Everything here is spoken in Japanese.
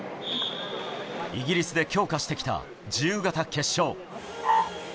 イギリスで強化してきた自由形決勝。